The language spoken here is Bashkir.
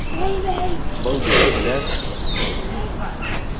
Был бит келәт!